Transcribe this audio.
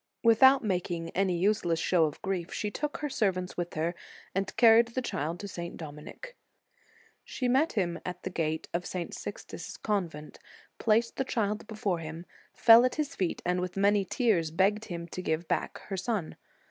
Without making any useless show of grief, she took her servants with her, and carried the child to St. Dominic. She met him at the gate of St. Sixtus s convent, placed the child before him, fell at his feet, and with many tears begged him to give her back her son.